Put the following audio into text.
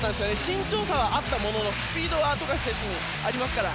身長差はあったもののスピードが富樫選手にはありますから。